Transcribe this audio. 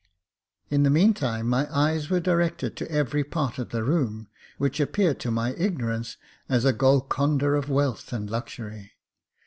In the meantime my eyes were directed to every part of the room, which appeared to my ignorance as a Golconda of wealth and luxury.